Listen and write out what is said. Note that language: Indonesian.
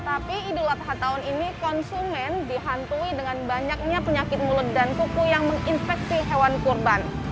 tapi idul adha tahun ini konsumen dihantui dengan banyaknya penyakit mulut dan kuku yang menginfeksi hewan kurban